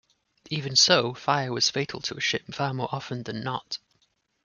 Even so, fire was fatal to a ship far more often than not.